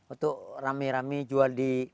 untuk rame rame jual di